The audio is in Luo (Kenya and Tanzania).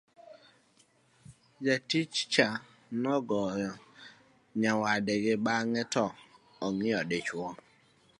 jatich cha nongiyo nyawadgi bang'e to ong'iyo dichuo